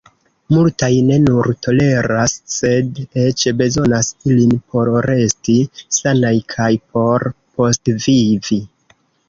Multaj ne nur toleras, sed eĉ bezonas ilin por resti sanaj kaj por postvivi.